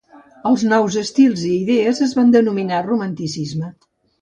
Els nous estils i idees es van denominar Romanticisme.